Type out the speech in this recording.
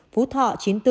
phú thọ chín mươi bốn